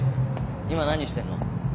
今何してんの？